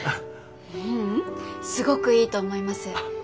ううんすごくいいと思います。